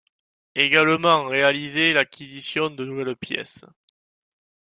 Également réalisé l'acquisition de nouvelles pièces.